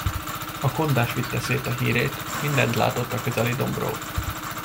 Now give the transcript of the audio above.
A kondás vitte szét a hírét; mindent látott a közeli dombról.